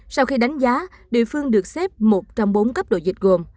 sau khi đánh giá địa phương được xếp một trong bốn cấp độ dịch gồm